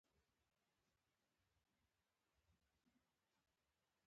• ونه د چاپېریال د تخریب مخنیوی کوي.